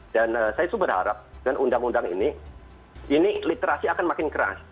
dan saya itu berharap dengan undang undang ini ini literasi akan makin keras